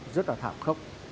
rất là thảm khốc